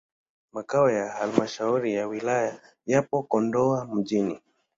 Makao ya halmashauri ya wilaya yapo Kondoa mjini.